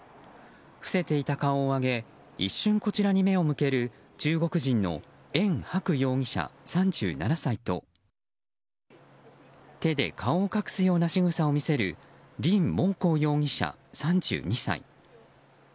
伏せていた顔を上げ一瞬こちらに目を向ける中国人のエン・ハク容疑者、３７歳と手で顔を隠すようなしぐさを見せるリン・モウコウ容疑者、３２歳。